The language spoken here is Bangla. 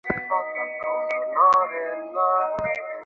কিন্তু বিএনপি ও কিছু গবেষণা প্রতিষ্ঠান সব সময় এর উল্টো বলছে।